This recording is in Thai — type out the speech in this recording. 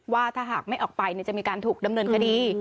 ว่าถ้าหากไม่ออกไปจะมีการถูกดำเนินคดี